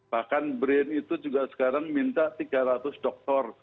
bahkan brain itu juga sekarang minta tiga ratus dokter